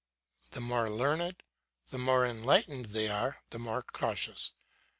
The more learned, the more enlightened they are, the more cautious.